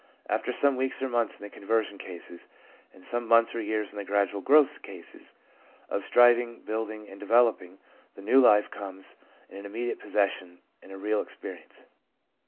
After some weeks or months in the conversion cases, and some months or years in the gradual growth cases, of striving, building and developing, the new life becomes an im mediate possession and a real experience.